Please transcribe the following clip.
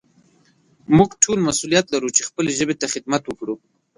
موږ ټول مسؤليت لرو چې خپلې ژبې ته خدمت وکړو.